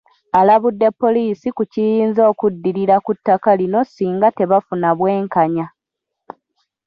Alabudde poliisi ku kiyinza okuddirira ku ttaka lino singa tebafuna bwenkanya